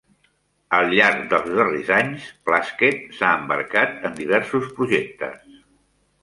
Al llarg dels darrers anys, Plaskett s'ha embarcat en diversos projectes.